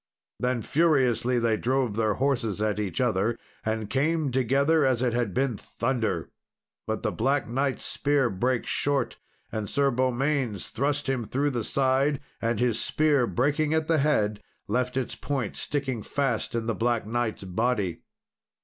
Then furiously they drove their horses at each other, and came together as it had been thunder. But the Black Knight's spear brake short, and Sir Beaumains thrust him through the side, and his spear breaking at the head, left its point sticking fast in the Black Knight's body.